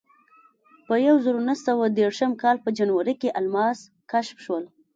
په یوه زرو نهه سوه دېرشم کال په جنورۍ کې الماس کشف شول.